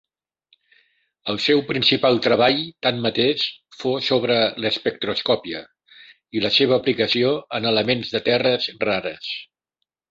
El seu principal treball, tanmateix, fou sobre l'espectroscòpia i la seva aplicació en elements de terres rares.